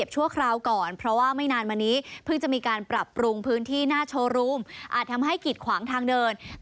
ใช่แต่ว่าคุณผู้ชมที่รู้สึกว่าเดินไป